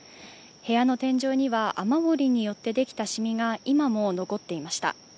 部屋の天井には、雨漏りによってできたしみが今も残っていました。